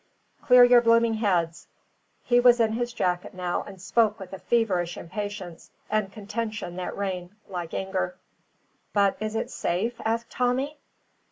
Clear your blooming heads!" He was in his jacket now, and spoke with a feverish impatience and contention that rang like anger. "But is it safe?" asked Tommy.